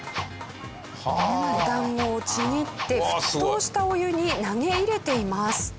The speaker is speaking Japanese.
お団子をちぎって沸騰したお湯に投げ入れています。